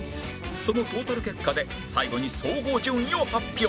そのトータル結果で最後に総合順位を発表する